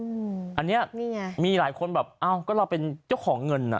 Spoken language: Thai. อืมอันนี้นี่ไงมีหลายคนแบบอ้าวก็เราเป็นเจ้าของเงินอ่ะ